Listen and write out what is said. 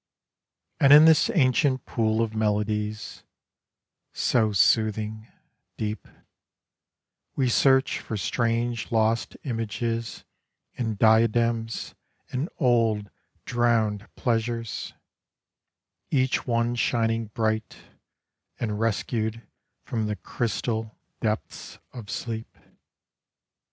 And in this ancient pool of melodies, So soothing, deep, We search for strange lost images and diadems And old drowned pleasures, — Each one shining bright And rescued from the crystal depths of sleep.